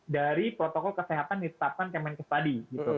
dari protokol kesehatan ditetapkan kemenkes tadi